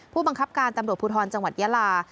ผู้บังคับการตำรวจภูทรจังหวัดยาลา